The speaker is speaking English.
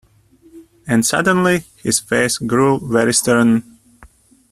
And suddenly his face grew very stern.